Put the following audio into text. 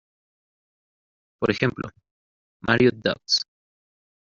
Por ejemplo, "Mario Ducks".